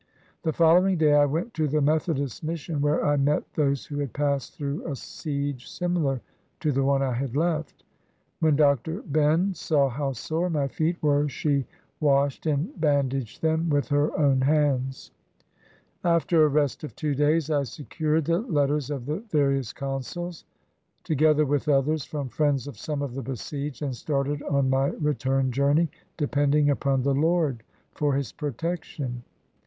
The following day I went to the Methodist Mission, where I met those who had passed through a siege similar to the one I had left. When Dr. Benn saw how sore my feet were, she washed and bandaged them with her own hands. After a rest of two days I secured the letters of the various consuls, together with others from friends of some of the besieged, and started on my return journey, depending upon the Lord for his protection.